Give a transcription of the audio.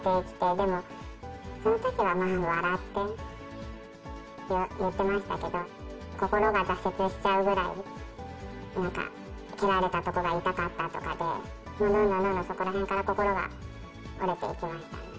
でも、そのときはまあ笑って言ってましたけど、心が挫折しちゃうくらい、蹴られたところが痛かったとかで、どんどんどんどんそこらへんから、心が折れていきました。